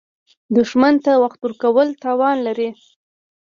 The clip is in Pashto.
دښمن ته وخت ورکول تاوان لري